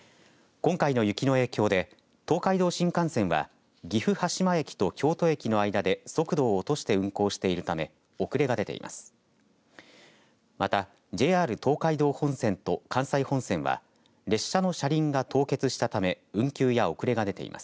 今回の雪の影響で東海道新幹線は岐阜羽島駅と京都駅の間で速度を落として運行しているため遅れが出ています。